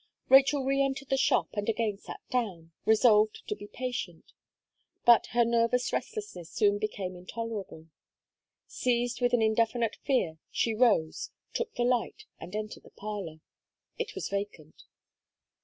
Rachel re entered the shop, and again sat down, resolved to be patient; but her nervous restlessness soon became intolerable. Seized with an indefinite fear, she rose, took the light, and entered the parlour: it was vacant.